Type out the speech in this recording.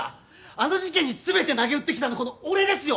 あの事件に全てなげうって来たのはこの俺ですよ